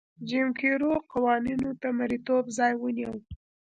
جیم کرو قوانینو د مریتوب ځای ونیو.